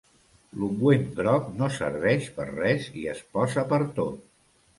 L'ungüent groc no serveix per res i es posa pertot.